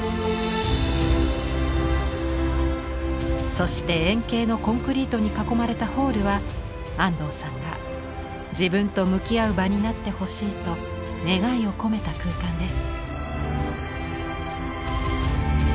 そして円形のコンクリートに囲まれたホールは安藤さんが「自分と向き合う場になってほしい」と願いを込めた空間です。